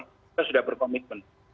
kita sudah berkomitmen